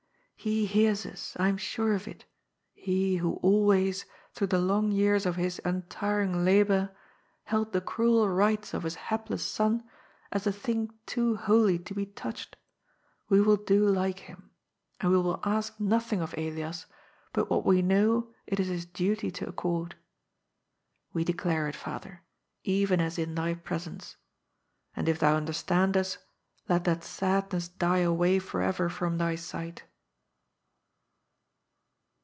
'' He hears us, I am sure of it, he, who always, through the long years of his untiring labor, held the cruel rights of his hapless son as a thing too holy to be touched. We will do like him. And we will ask nothing of Elias but what we know it is his duty to accord. We declare it, father, even as in thy presence. And if thou understand us, let that sadness die away forever from thy sight."